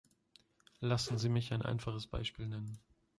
Lassen Sie mich ein einfaches Beispiel nennen.